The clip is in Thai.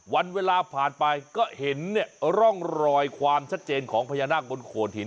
วันเวลาผ่านไปก็เห็นร่องรอยความชัดเจนของพญานาคบนโขดหิน